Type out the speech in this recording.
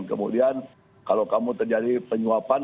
kemudian kalau kamu terjadi penyuapan